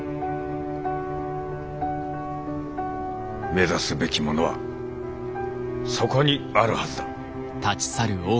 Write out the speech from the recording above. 目指すべきものはそこにあるはずだ。